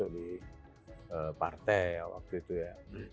di partai waktu itu ya